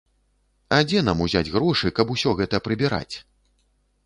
А дзе нам узяць грошы, каб усё гэта прыбіраць?